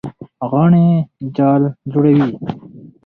غڼې جال جوړوي.